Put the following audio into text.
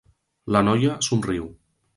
La noia somriu.